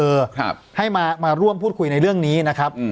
ครับให้มามาร่วมพูดคุยในเรื่องนี้นะครับอืม